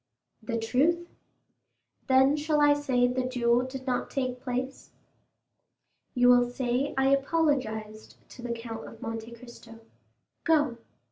"The truth." "Then I shall say the duel did not take place?" "You will say I apologized to the Count of Monte Cristo. Go."